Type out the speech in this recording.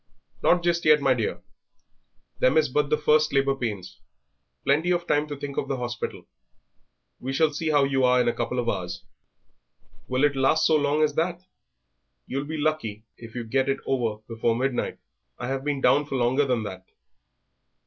"Not just yet, my dear; them is but the first labour pains; plenty of time to think of the hospital; we shall see how you are in a couple of hours." "Will it last so long as that?" "You'll be lucky if you get it over before midnight. I have been down for longer than that."